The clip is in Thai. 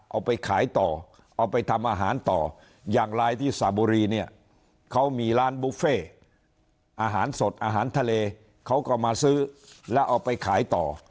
เอาไปขายต่อเอาไปทำอาหารต่ออย่างไรที่สระบุรีเนี่ยเขามีร้านบุฟเฟ่อาหารสดอาหารทะเลเขาก็มาซื้อแล้วเอาไปขายต่อ